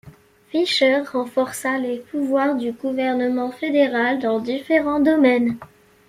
Fisher renforça les pouvoirs du gouvernement fédéral dans différents domaines.